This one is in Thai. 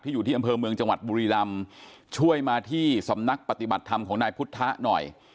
อยู่ที่อำเภอเมืองจังหวัดบุรีรำช่วยมาที่สำนักปฏิบัติธรรมของนายพุทธะหน่อย